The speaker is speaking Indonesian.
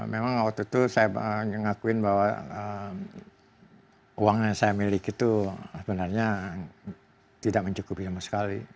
memang waktu itu saya mengakuin bahwa uang yang saya miliki itu sebenarnya tidak mencukupi sama sekali